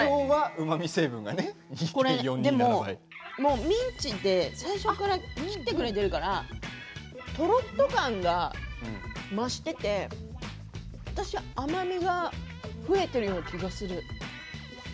でもミンチは最初から切ってくれているからとろっと感が増していて、私は甘みが増えているような気がする。